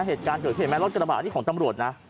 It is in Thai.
เหตุการณ์เกิดขึ้นเห็นไหมรถกระบะอันนี้ของตำรวจนะ